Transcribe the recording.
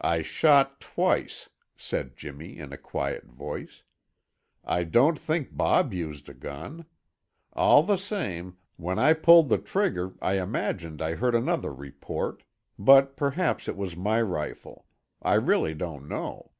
"I shot twice," said Jimmy, in a quiet voice. "I don't think Bob used a gun. All the same, when I pulled the trigger I imagined I heard another report; but perhaps it was my rifle. I really don't know."